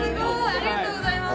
ありがとうございます。